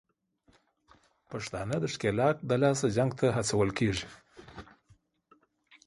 پښتانه د ښکېلاک دلاسه جنګ ته هڅول کېږي